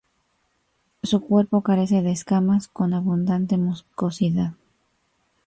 Su cuerpo carece de escamas, con abundante mucosidad.